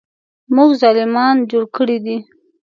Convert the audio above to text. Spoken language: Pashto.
موږ ظالمان جوړ کړي دي.